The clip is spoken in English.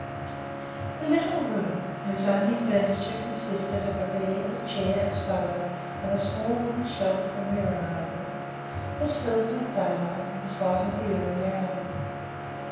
The little room, whose only furniture consisted of a bed, a chair, a stove, and a small wooden shelf with a mirror over it, was filled with daylight in spite of the early hour.